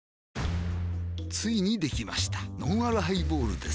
ついにできましたのんあるハイボールです